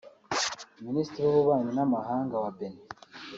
Minisitiri w’Ububanyi n’Amahanga wa Benin